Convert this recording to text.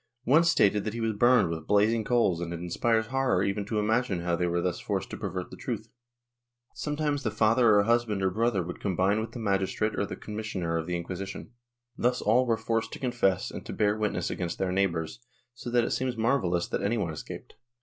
One stated that he was burned with blazing coals and it inspires horror even to imagine how they were thus forced to pervert the truth. Sometimes the father or husband or brother would combine with the magistrate or the commissioner of the Inquisition. Thus all were forced to confess and to bear witness against their neighbors, so that it seems marvellous that any one escaped.